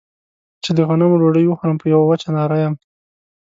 چې د غنمو ډوډۍ وخورم په يوه وچه ناره يم.